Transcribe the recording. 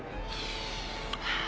ああ。